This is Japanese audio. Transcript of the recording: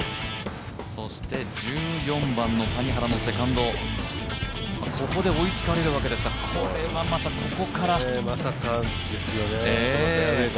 １４番の谷原のセカンドここで追いつかれるわけですが、まさかですよね。